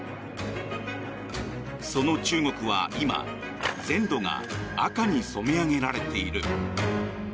その中国は今全土が赤に染め上げられている。